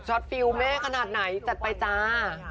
ฟิลแม่ขนาดไหนจัดไปจ้า